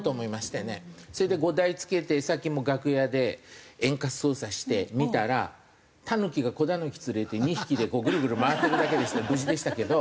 それで５台付けてさっきも楽屋で遠隔操作して見たらタヌキが子ダヌキ連れて２匹でグルグル回ってるだけで無事でしたけど。